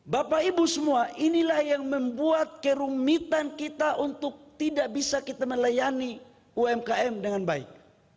bapak ibu semua inilah yang membuat kerumitan kita untuk tidak bisa kita melayani umkm dengan baik